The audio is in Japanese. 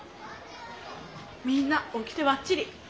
みんなオキテばっちり！